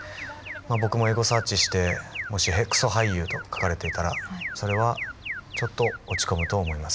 僕もエゴサーチしてもしヘクソ俳優と書かれていたらそれはちょっと落ち込むと思います。